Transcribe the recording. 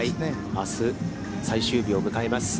あす、最終日を迎えます。